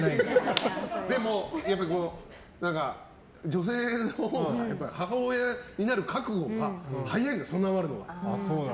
でも女性のほうが、母親になる覚悟が早いんだよ、備わるのが。